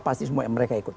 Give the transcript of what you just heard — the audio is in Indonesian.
pasti semua yang mereka ikut